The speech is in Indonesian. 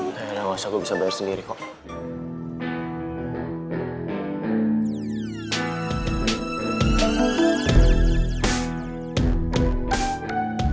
nggak ada masa gue bisa bayar sendiri kok